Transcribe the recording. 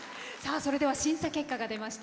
それでは審査結果が出ました。